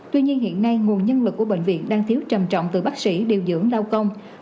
tuy nhiên hiện nay nguồn nhân lực của bệnh viện đang thiếu trầm trọng từ bác sĩ điều dưỡng đau công